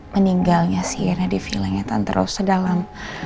meninggalnya sienna di vilangetan terus sedalam